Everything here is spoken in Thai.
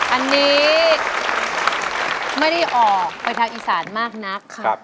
อันนี้ไม่ได้ออกไปทักอีสานมากนะครับ